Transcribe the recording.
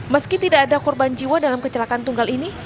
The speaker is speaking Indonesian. meski tidak ada korban jiwa dalam kecelakaan tunggal ini